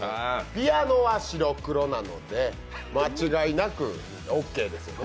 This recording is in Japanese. ピアノは白黒なので、間違いなくＯＫですよね？